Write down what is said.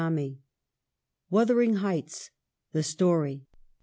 * WUTHERING HEIGHTS I ' THE STORY.